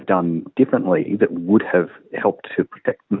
dan juga untuk menjaga kemampuan mereka